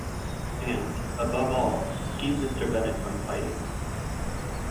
And, above all, keep Mr. Bennet from fighting.